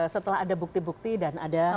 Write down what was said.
setelah ada bukti bukti dan ada